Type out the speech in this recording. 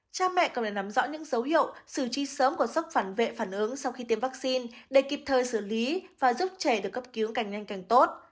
cha mẹ cần phải nắm rõ những dấu hiệu xử trí sớm của sốc phản vệ phản ứng sau khi tiêm vaccine để kịp thời xử lý và giúp trẻ được cấp cứu càng nhanh càng tốt